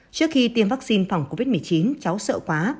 trước khi tiêm vaccine phòng covid một mươi chín cháu sợ quá